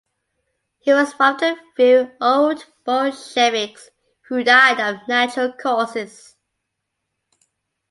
He was one of the few Old Bolsheviks who died of natural causes.